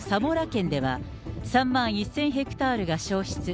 県では３万１０００ヘクタールが焼失。